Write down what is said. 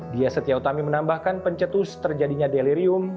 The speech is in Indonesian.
dia setia utami menambahkan pencetus terjadinya delirium